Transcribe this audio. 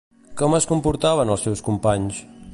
Com es comportaven els seus companys?